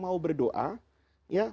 mau berdoa ya